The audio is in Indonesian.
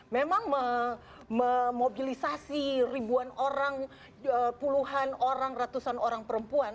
memang memobilisasi ribuan orang puluhan orang ratusan orang perempuan